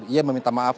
ia meminta maaf